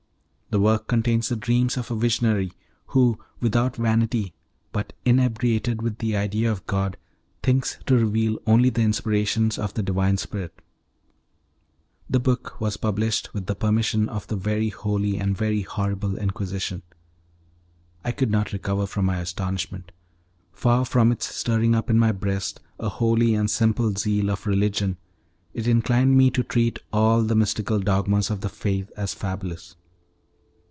The work contains the dreams of a visionary, who, without vanity but inebriated with the idea of God, thinks to reveal only the inspirations of the Divine Spirit. The book was published with the permission of the very holy and very horrible Inquisition. I could not recover from my astonishment! Far from its stirring up in my breast a holy and simple zeal of religion, it inclined me to treat all the mystical dogmas of the Faith as fabulous.